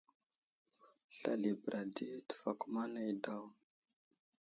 Slal i bəra ɗi təfakuma nay daw.